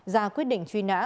ra quyết định truy nã